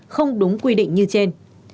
không đúng quy định như trên